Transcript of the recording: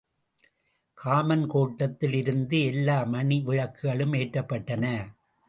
Common கோட்டத்தில் இருந்த எல்லா மணி விளக்குகளும் ஏற்றப்பட்டன.